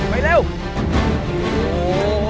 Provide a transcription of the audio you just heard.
ไปเร็ว